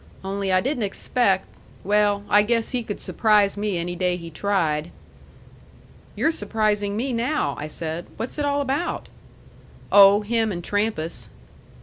Only I didn't expect well, I guess he could surprise me any day he tried." "You're surprising me now," I said. "What's it all about?" "Oh, him and Trampas."